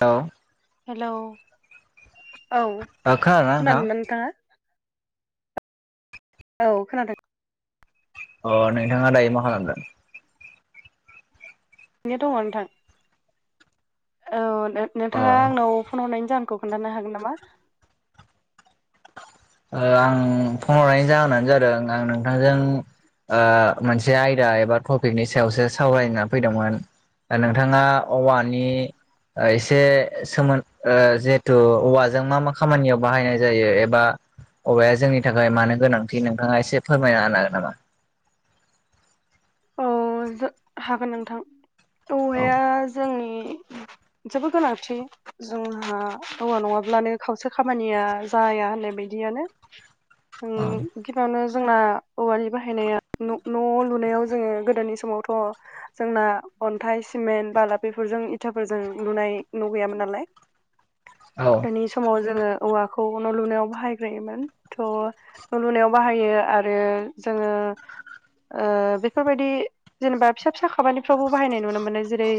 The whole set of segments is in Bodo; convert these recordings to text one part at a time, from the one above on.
औ हेलौ औ ओ खोनादोंना नोंथां? औ खोनादों। अ नोंथाङा दायो मा खालामदों? ओरैनो दङ नोंथां। औ अ ओ नोंथाङा आंनाव फन हरनायनि जाहोनखौ खोन्थानो हागोन नामा? ओ आं फन हरनायनि जाहोनानो जादों आं नोंथांजों ओ मोनसे आयदा एबा टपिकनि सायावसो सावरायनो होनना फैदोंमोन। दा नोंथाङा औवानि ओ एसे सोमोन ओ जिहेथु औवाजों मा मा खामानियाव बाहायनाय जायो ए एबा औवाया जोंनि थाखाय मानो गोनांथि नोंथाङा एसे फोरमायना होनो हागोन नामा? औ जो हागोन नोंथां औ औवाया जोंनि जोबोर गोनांथि जोंहा औवा नङाब्लानो खावसे खामानिया जाया होननाय बायदियानो। ओम औ गिबियावनो जोंना औवानि बाहायनाया न' न' लुनायाव जोङो गोदोनि समावथ' जोंना अन्थाइ सिमेन्ट बाला बेफोरजों इथाफोरजों लुनाय न' गैयामोन नालाय। [inaudible] औ गोदोनि समाव जोङो औवाखौ न' लुनायाव बाहायग्रायोमोन थ' न'लुनायाव बाहायो आरो जोङो ओ बेफोरबायदि जेनेबा फिसा फिसा खामानिफ्रावबो बाहायनाय नुनो मोनो जेरै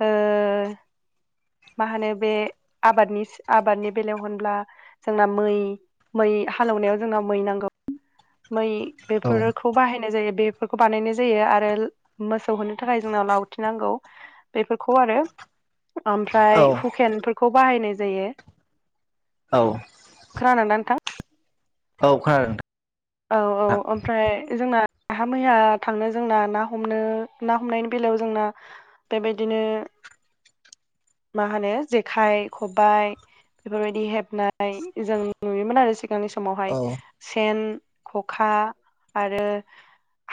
ओ मा होनो बे आबादनि आबादनि बेलायाव होनब्ला जोंना मै मै हालौवनायाव जोंना मै नांगौ मै बेफोर खौ बाहायनाय जायो बेफोरखौ बानायनाय जायो आरो मोसौ होनो थाखाय जोंनाव लावथिनांगौ। बेफोरखौ आरो औ ओमफ्राय हुकेनफोरखौ बाहायनाय जायो। औ खोनादोंना नोंथां? औ खोनादों नोंथां औ औ ओमफ्राय जोंना नाहा मैया थांनो जोंना ना हमनो ना हमनायनि बेलायाव जोंना बेबायदिनो मा होनो जेखाइ खबाइ बेफोरबायदि हेबनाय जों नुयोमोन आरो सिगांनि समावहाय औ सेन खखा आरो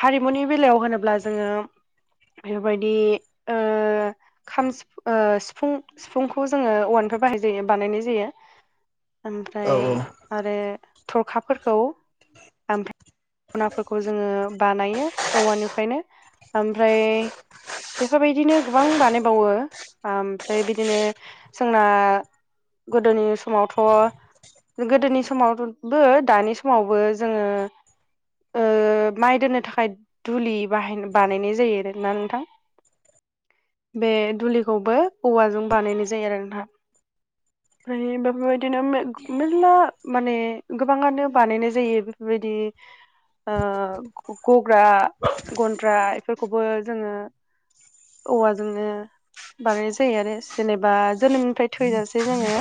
हारिमुनि बेलायाव होनोब्ला जोङो बेफोरबायदि ओ खाम सि ओ सिफुं सिफुंखौ जोङो औवानिफ्राय बाहायनाय जायो बानायनाय जायो। औ ओमफ्राय आरो थरखाफोरखौ नाफोरखौ जोङो बानायो औवानिफ्रायनो ओमफ्राय बेफोरबायदिनो गोबां बानायबावो ओमफ्राय बिदिनो जोंना गोदोनि समावथ' गोदोनि समावबो दानि समावबो जोङो ओ माइ दोननो थाखाय दुलि बाहाय बानायनाय जायो आरोना नोंथां। बे दुलिखौबो औवाजों बानायनाय जायो आरो नोंथां। [inaudible] ओमफ्राय बेफोरबायदिनो मे-मेरला माने गोबाङानो बानायनाय जायो बेफोरबायदि ओ गग्रा गन्द्रा एफोरखौबो जोङो औवाजोंनो बानायनाय जायो आरो जेनेबा जोनोमनिफ्राय थैजासे जोङो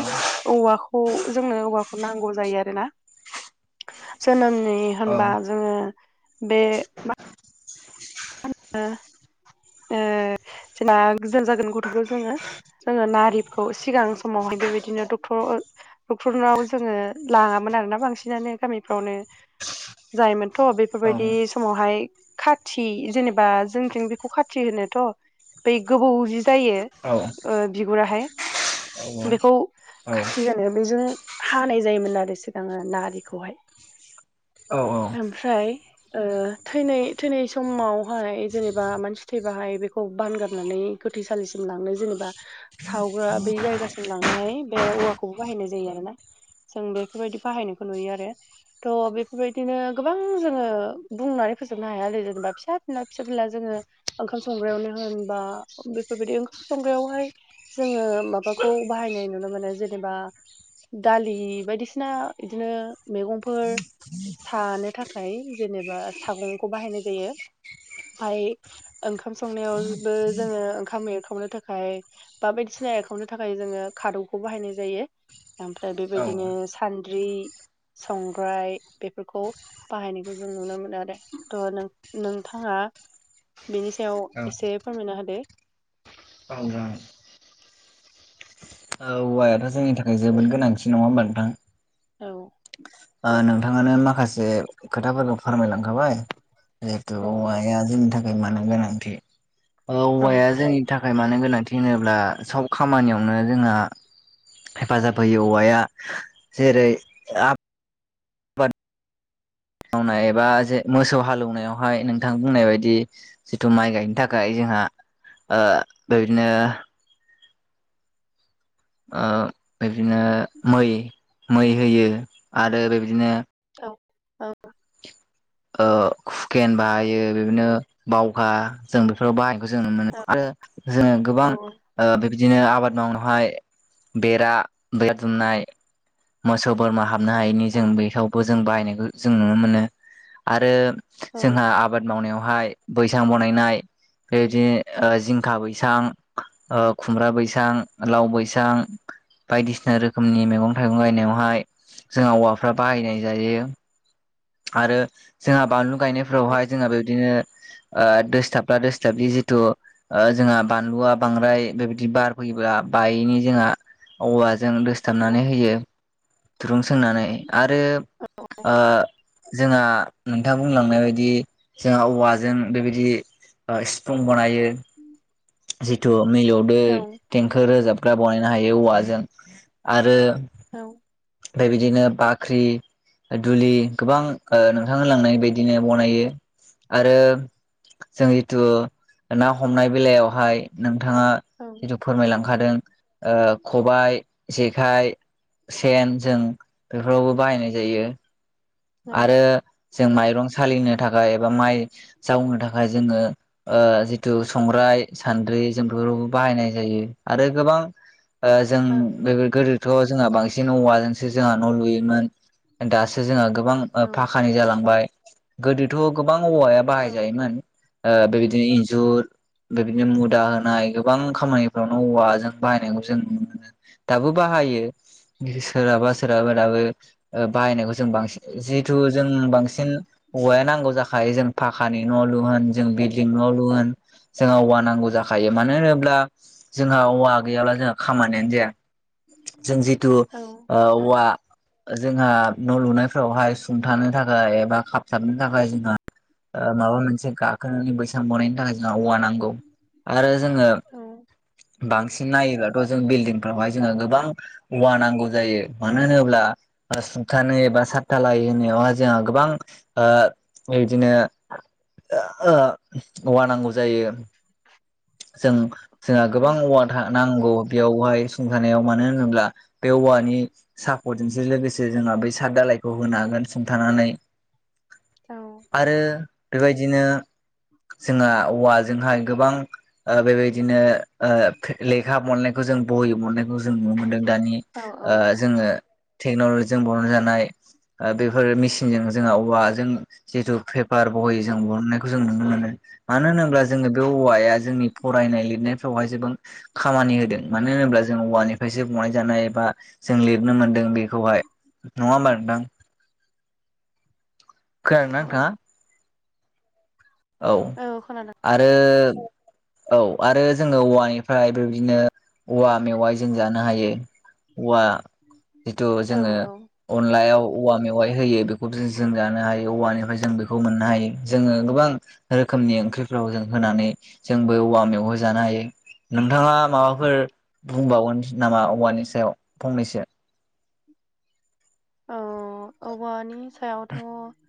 औवाखौ जोंनो औवाखौ नांगौ जायो आरोना। जोनोम होनबा जोङो बे जोंना गोजान जागोन गथ'खौ जोङो जोङो नारिखौ सिगां समावहाय बेबायदिनो डक्टर डक्टरनाव जोङो लाङामोन आरोना बांसिनानो गामिफ्रावनो। जायोमोनथ' औ बेफोरबायदि समावहाय खाथि खाथि जेनेबा जोंथिं बेखौ खाथि होनोथ' बै गोबौ जि जायो। औ औ बिगुराहाय औ बेखौ खाथि होनो बेजों हानाय जायोमोन आरो सिगाङो निखौहाय औ ओमफ्राय थैनाय थैनाय समावहाय जेनेबा मानसि थैबाहाय बेखौ बानगाबनानै गोथैसालिसिम लांनो जेनेबा सावग्रा बे जायगासिम लांनोहाय बे औवाखौबो बाहायनाय जायो आरोना। जों बेफोरबायदि बाहायनायखौ नुयो आरो। थ' बेफोरबायदिनो गोबां जोङो बुंनानै फोजोबनो हाया आरो जेनेबा फिसा फिला फिसा फिला जोङो ओंखाम संग्रायावनो होनबा बेफोरबायदि ओंखाम संग्रायावहाय जोङो माबाखौ बाहायनाय नुनो मोनो जेनेबा दालि बायदिसिना बिदिनो मैगंफोर सानो थाखाय जेनेबा सागंखौ बाहायनाय जायो। ओमफाय ओंखाम संनायावबो जोङो ओंखाम एरखावनो थाखाय बा बायदिसिना एरखावनो थाखाय जोङो खादौखौ बाहायनाय जायो। ओमफ्राय औ बेबायदिनो सान्द्रि संग्राय बेफोरखौ बाहायनायखौ जों नुनो मोनो आरो थ' नों नोंथाङा बेनि सायाव औ एसे फोरमायना होदो। औ जागोन। हौवायाथ' जोंनि थाखाय जोबोद गोनांथि नङा होमबा नोंथां? औ। नोंथाङानो माखासे खोथाफोरखौ फोरमायलांखाबाय जिहेतु औ औवाया जोंनि थाखाय मानो गोनांथि औ औवाया जोंनि नि थाखाय मानो गोनांथि होनोब्ला सब खामानियावनो जोंहा हेफाजाब होयो औवाया जेरै आबाद मावनाय एबा जे मोसौ हालौवनायावहाय नोंथां बुंनाय बायदि जिथु माइ गायनो थाखाय जोंहा बेदिनो बिदिनो मै मै होयो आरो बेबायदिनो औ औ। खुकेन बाहायो बिदिनो बावखा जों बेफोराव बाहायनायखौ जों नुनो मोनो आरो जोङो गोबां औ बिबदिनो आबाद मावनायावहाय बेरा बेराद दुमनाय मोसौ बोरमा हाबनो हायैनि औ जों बेावबो जों बाहायनायखौ जों नुनो मोनो आरो। औ जोंहा आबाद मावनायावहाय बैसां बनायनाय बेबायदिनो जिंखा बैसां खुमब्रा बैसां लाव बैसां बायदिसिना रोखोमनि मैगं माइगं गायनायावहाय जोंहा औवाफ्रा बाहायनाय जायो। आरो जोंहा बानलु गायनायफोरावहाय जोंहा बेबदिनो दोसथाब्ला दोसथाबलि जिथु जोंहा बानलुआ बांद्राय बेबायदि बार फैयोब्ला बायनि जोंहा औवाजों दोसथाबनानै होयो। दुरुं सोंनानै आरो जोंहा नोंथाङा बुंलांनाय बायदि जोंहा औवाजों बेबायदि सिफुं बानायो। जिथु मिलौदो औ देंखो रोजाबग्रा बनायनो हायो औवाजों, आरो औ। ओमफ्राय बिदिनो बाख्रि दुलि गोबां ओ नोंथां होनलांनाय बायदिनो बनायो आरो। जों जितु ना हमनाय बेलायावहाय नोंथाङा औ जिथु फोरमायलांखादों ओ खबाय जेखाइ सेन जों बेफोरावबो बाहायनाय जायो। आरो औ जों माइरं सालिनो थाखाय एबा माइ जावनो थाखाय जोङो ओ जिथु संग्राइ सान्द्रि जों बेफोरावबो बाहायनाय जायो, आरो गोबां ओ जों औ बेफोर गोदो जों बांसिन जोंहा औवाजोंसो न' लुयोमोन, दासो जोंहा गोबां ओ औ पाकका फानि जालांबाय गोदोथ' गोबां औवाया औ बाहाय जायोमोन। ओ बेबायदिनो इन्जुर बेबायदिनो मुदा होनाय गोबां खामानिफ्रावनो औवाजों बाहायनायखौ जों नुनो मोनो। दाबो बाहायो सोरहाबा सोरहाबा दाबो ओ बाहायनायखौ जों बांसिन जिहेथु जों बांसिन हौवाया नांगौ जाखायो जों पाखानि न' लु होन जों बिल्डिं न' लु होन जोंहा औवा नांगौ जाखायो मानो होनोब्ला? जोंहा औवा गैयाब्ला जोंहा खामानियानो जाया। जों जिथु औ ओ औवा जोंहा न' लुनो बावहाय सुंथानो थाखाय एबा खाबथाबनो थाखाय जोंहा ओ माबा मोनसे गाखोनानै बैसांबनायनो थाखाय ना औवा नांगौ आरो जोङो औ बांसिन नायोब्लाथ' जों बिल्डिंफोरावहाय जोङो गोबां औवा नांगौ जायो मानो होनोब्ला सुंथानो एबा थालाय होनायावहाय जोंहा गोबां ओ बिदिनो ओ औवा नांगौ जायो जों जोंहा औ गोबां औवा नांगौ बेयावहाय सुंथानायाव मानो होनोब्ला? बे औवानि सापर्जोंजोसो लोगोसे जोंहा बै साद दालायखौ होनो हागोन। सुंथानानै औ आरो बेबायदिनो जोंहा औवाजोंहाय गोबां ओ बेबायदिनो ओ लेखा मोननायखौ जों बहि मोननायखौ जों नुनो मोनदों दानि औ ओ जोङो टेक्न'ल'जिजों बनाय जानाय ओ बेफोर मेसिनजों जोंहा औवाजों जिहेतु पेपार बहि जों बनो खौ जों नुनो मोनो मानो होनोब्ला जोङो बे औवाया जोंनि फरायनाय लिरनायफ्रावहाय जोबो खामानि होदों, मानो होनोब्ला? जोंङो औवानिफ्रायसो बनाय जानाय एबा जों लिरनो मोनदों बेखौहाय नङा होमबा नोंथां? खोनादों ना औ नोंथाङा? औ। औ खोनादों। आरो औ आरो जोङो औवानिफ्राय बेबायदिनो औवा मेवाय जों जानो हायो। औवा जिथु औ जोङो औ अनलायाव औवा मेवाइ होयो बेखौ जों जानो हायो औवानिफ्राय जों बेखौ मोननो हायो, जोङो गोबां रोखोमनि ओंख्रिफ्राव जों होनानै जोंबो औवा मेवाइ जानो हायो। नोंथाङा माबाफोर बुंबावगोन नामा औवानि सायाव फंनैसो? औ औवानि सायावथ'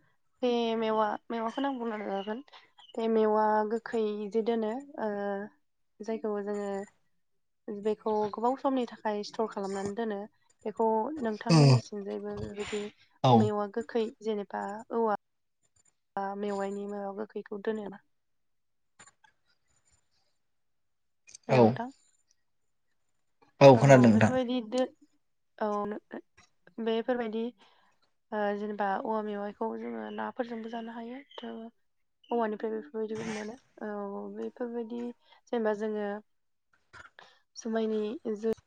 ए मेवा मेवाखौनो आं बुंना लागोन। बे मेवआ गोखै बिदि दोनो ओ जायखौ जोङो बेखौ गोबाव समनि थाखाय स्टर खालामनानै दोनो। बेखौ नोंथांमोननिसिंजायबो बेबायदि मेवा गोखै जेनोबा औवा बा मेवाइनि मायाव गोखैखौ दोनो ना? हेल औ नोंथां? औ खोनादों नोंथां बेफोरबायदि दो औ बेफोरबायदि ओ जेनोबा औवा मेवाइखौ जोंङो नाफोरजोंबो जानो हायो। थ' औवानिफ्राय बेफोरबायदिखौ मोनो औ बेफोरबायदि जेनोबा जोंङो जुमायनि जु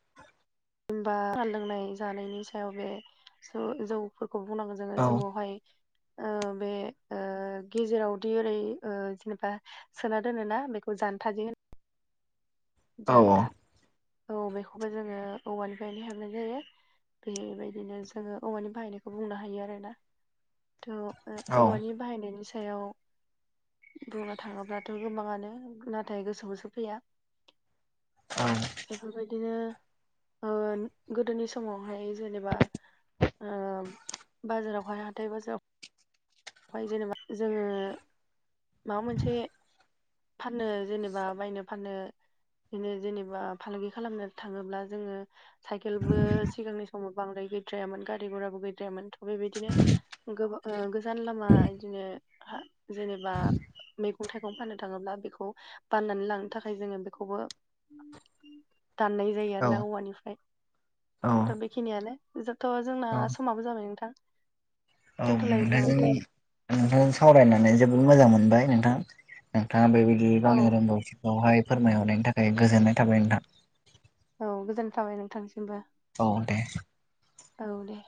बा लोंनाय जानायनि सायाव बे जु जौ फोरखौ बुंनांगौ जोंङो औ जौयावहाय ओ बे ओ ओ गेजेरावदि ओरै ओ जेनोबा सोना दोनोना बेखौ जानथा जे औ जान्था औ बेखौबो जोङो औवानिफ्रायनो हेबनाय जायो। बेबायदिनो जोंङो औवानि बाहायनायखौ बुंनो हायो आरोना। थ' ओ औवानि बाहायनायनि सायाव बुंनो थाङोब्लाथ' गोबाङानो नाथाय गोसोयावसो फैया। औ। बेफोरबायदिनो होन गोदोनि समावहाय जेनोबा ओ बाजारावहाय हाथाय बाजाराव ओमफ्राय जेनोबा जोंङो माबा मोनसे फाननो जेनोबा बायनो फाननो बिदिनो जेनोबा फालांगि खालामनो थांङोब्ला जोंङो साइकेलबो सिगांनि समाव बांद्राय गैद्रायामोन गारि घराबो गैद्रायामोन। बेबायदिनो गोबां ओ गोजान लामा बिदिनो हा जेनोबा मैगं थाइगं फाननो थांङोब्ला बेखौ बाननानै लांनो थाखाय जोंङो बेखौबो दाननाय जायो आरो ना औवानिफ्राय औ दा बेखिनियानो। बिदिबाथ जोंना औ समाबो जाबाय नोंथां? औ दोनथ'लायनोसै नामा नोंथां नोंथां सावरायनानै जोबोद मोजां मोनबाय नोंथां। नोंथाङा बेबायदि औ गावनि रोंगौथिखौहाय फोरमायहरनायनि थाखाय गोजोननाय थाबाय नोंथां। औ गोजोनथाबाय नोंथांनिसिमबो। औ दे। औ दे।